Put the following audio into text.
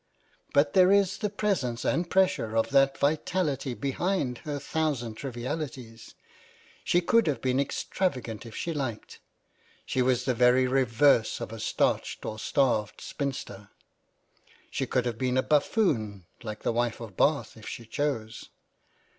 But there is the presence and pressure of that vitality behind her thousand trivialities ; she could have been extravagant if she liked. She was the very reverse of a starched or a starved spinster ; she could have been a buffoon like the Wife of Bath if she chose.